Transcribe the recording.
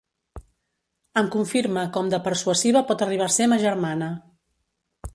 Em confirma com de persuasiva pot arribar a ser ma germana.